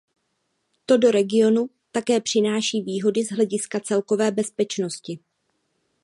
To do regionu také přináší výhody z hlediska celkové bezpečnosti.